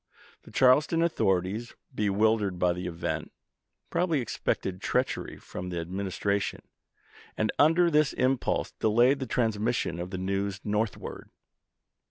The Charleston authorities, bewildered by the event, probably suspected treachery from the Administra tion, and, under this impulse, delayed the transmis sion of the news northward.